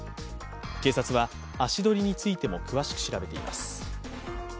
警察は足取りについても詳しく調べています。